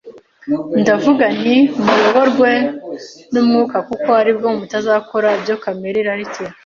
"Ndavuga nti: Muyoborwe n'Umwuka kuko ari bwo mutazakora ibyo kamere irarikira;"